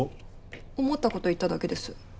思った事を言っただけです。